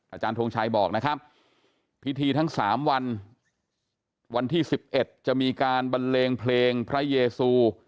อาจารย์ทงชัยบอกนะครับพิธีทั้ง๓วันวันที่๑๑จะมีการบันเลงเพลงพระเยซู